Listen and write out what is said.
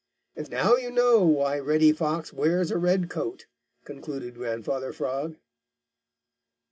And now you know why Reddy Fox wears a red coat," concluded Grandfather Frog.